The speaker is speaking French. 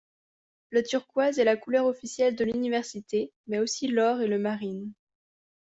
Le turquoise est la couleur officielle de l'université, mais aussi l'or et le marine.